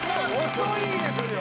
遅いですよ